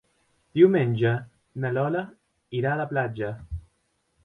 Diumenge na Lola irà a la platja.